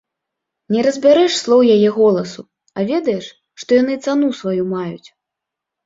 Не разбярэш слоў яе голасу, а ведаеш, што яны цану сваю маюць.